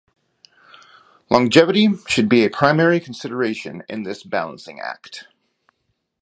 Longevity should be a primary consideration in this balancing act.